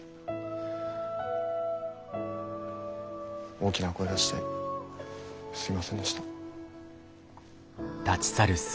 大きな声出してすみませんでした。